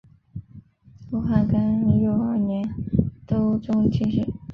后汉干佑二年窦偁中进士。